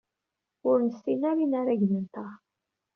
Ur nessin ara inaragen-nteɣ.